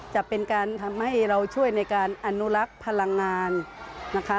จะเป็นการทำให้เราช่วยในการอนุรักษ์พลังงานนะคะ